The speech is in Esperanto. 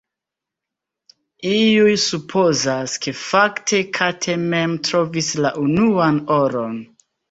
Iuj supozas, ke fakte Kate mem trovis la unuan oron.